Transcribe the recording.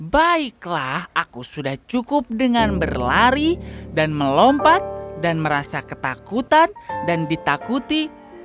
baiklah aku sudah cukup dengan berlari dan melompat dan merasa ketakutan dan ditakuti